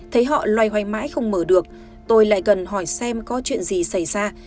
thấy họ loay hoay mãi không mở được tôi lại cần hỏi xem có chuyện gì xảy ra